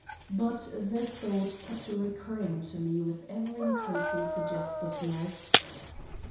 But the thought kept recurring to me with ever increasing suggestiveness.